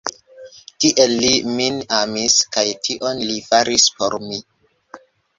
Tiel li min amis kaj tion li faris por mi.